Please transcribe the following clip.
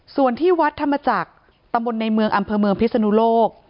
ส่วนที่วัดทำมาจากตะวันในเมืองอำเพอร์เมืองพฤษฎุลก